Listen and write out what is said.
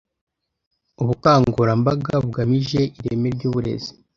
ubukangurambaga bugamije ireme ry’uburezi.